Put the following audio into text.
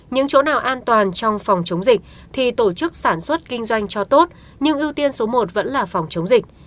những chỗ nào an toàn trong phòng chống dịch thì tổ chức sản xuất kinh doanh cho tốt nhưng ưu tiên số một vẫn là phòng chống dịch